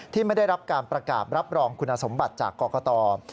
ไม่ได้รับการประกาศรับรองคุณสมบัติจากกรกต